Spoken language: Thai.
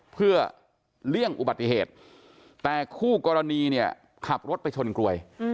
เพื่อเลี่ยงอุบัติเหตุแต่คู่กรณีเนี่ยขับรถไปชนกลวย